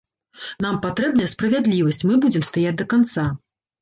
Нам патрэбная справядлівасць, мы будзем стаяць да канца!